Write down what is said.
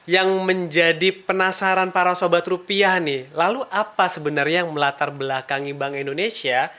yang menjadi penasaran para sobat rupiah nih lalu apa sebenarnya yang melatar belakangi bank indonesia